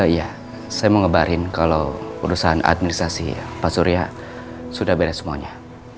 iya saya mau ngebaharin kalo urusan administrasi pak surya sudah beres semuanya